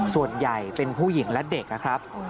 ส่วนใหญ่เป็นผู้หญิงและเด็กนะครับ